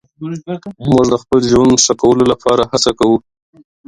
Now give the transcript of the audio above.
موږ د خپل ژوند ښه کولو لپاره هڅه کوو.